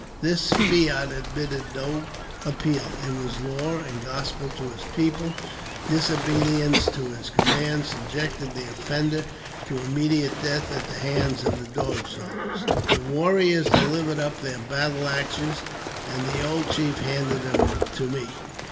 This fiat admitted no appeal ; it was law and gospel to his people; disobedience to his command subjected the offender to immediate death at the hands of the Dog Soldiers. The warriors delivered up their battle axes, and the old chief handed them to me.